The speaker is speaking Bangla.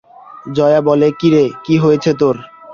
জয়া বলে, কী রে, কী হয়েছে তোর?